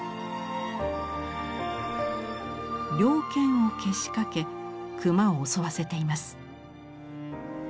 猟犬をけしかけ熊を襲わせています。